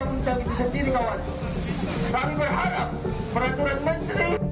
kita bisa kiri kawan tapi berharap peraturan menteri